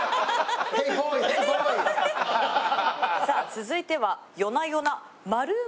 さあ続いては。